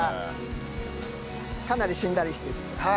かなりしんなりしてきた。